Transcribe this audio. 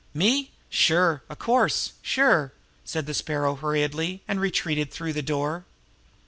"Me? Sure! Of course! Sure!" said the Sparrow hurriedly, and retreated through the door.